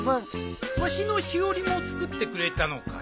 わしのしおりも作ってくれたのかい？